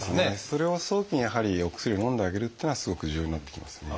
それを早期にやはりお薬をのんであげるっていうのはすごく重要になってきますね。